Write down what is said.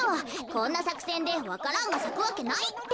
こんなさくせんでわか蘭がさくわけないって。